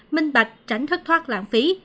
minh bạch tránh thất thoát lãng phí